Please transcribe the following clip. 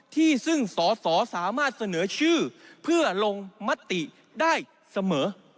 ที่ซึ่งสอสอสามารถเสนอชื่อเพื่อลงมติได้เสมอ